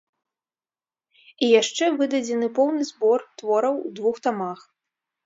І яшчэ выдадзены поўны збор твораў у двух тамах.